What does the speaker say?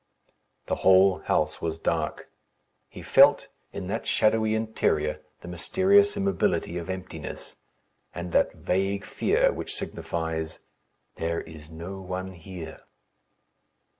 The whole house was dark. He felt in that shadowy interior the mysterious immobility of emptiness, and that vague fear which signifies "There is no one here."